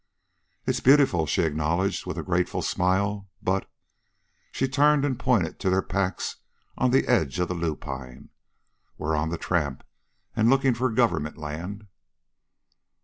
"It's beautiful," she acknowledged, with a grateful smile, "but " She turned and pointed to their packs on the edge of the lupine. "We're on the tramp, and lookin' for government land."